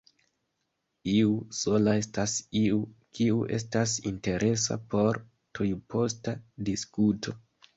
Iu sola estas iu, kiu estas interesa por tujposta diskuto.